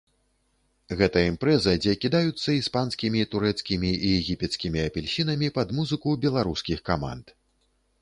Гэта імпрэза, дзе кідаюцца іспанскімі, турэцкімі і егіпецкімі апельсінамі пад музыку беларускіх каманд.